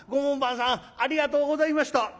門番さんありがとうございました」。